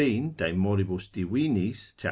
de moribus divinis, cap.